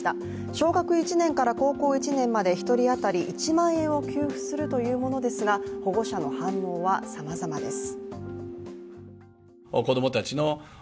小学１年から高校１年まで１人当たり１万円を給付するというものですが保護者の反応はさまざまです。